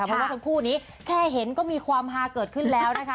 เพราะว่าทั้งคู่นี้แค่เห็นก็มีความฮาเกิดขึ้นแล้วนะคะ